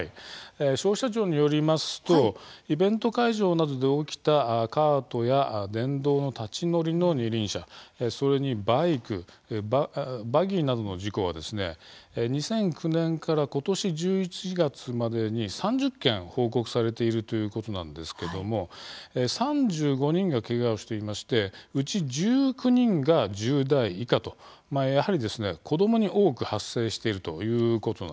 消費者庁によりますとイベント会場などで起きたカートや電動の立ち乗りの２輪車それにバイク、バギーなどの事故は２００９年から今年１１月までに３０件報告されているということなんですけども３５人が、けがをしていましてうち１９人が１０代以下とやはり子どもに多く発生しているということなんです。